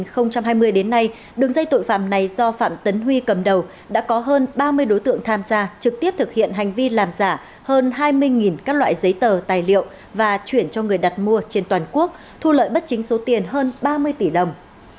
từ năm hai nghìn hai mươi đến nay đường dây tội phạm này do phạm tấn huy cầm đầu đã có hơn ba mươi đối tượng tham gia trực tiếp thực hiện hành vi làm giả hơn hai mươi các loại giấy tờ tài liệu và chuyển cho người đặt mua trên toàn quốc thu lợi bất chính số tiền hơn ba mươi tỷ đồng